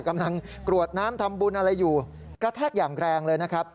กรวดน้ำทำบุญอะไรอยู่กระแทกอย่างแรงเลยนะครับ